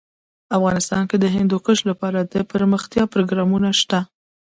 افغانستان کې د هندوکش لپاره دپرمختیا پروګرامونه شته.